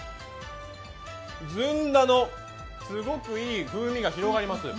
ずんだのすごくいい風味が広がります。